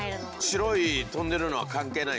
白い飛んでるのは関係ない？